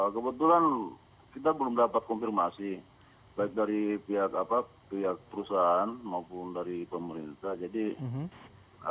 kebetulan kita belum dapat konfirmasi baik dari pihak perusahaan maupun dari pemerintah